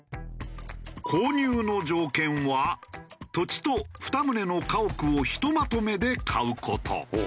購入の条件は土地と２棟の家屋をひとまとめで買う事。